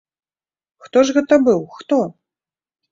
Хто ж гэта быў, хто?